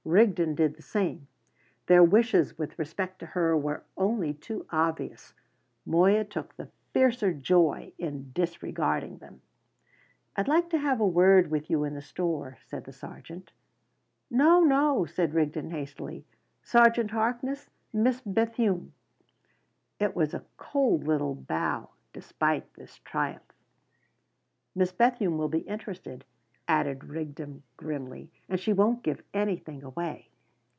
Rigden did the same. Their wishes with respect to her were only too obvious. Moya took the fiercer joy in disregarding them. "I'd like to have a word with you in the store," said the sergeant. "No, no!" said Rigden hastily. "Sergeant Harkness Miss Bethune." It was a cold little bow, despite this triumph. "Miss Bethune will be interested," added Rigden grimly. "And she won't give anything away."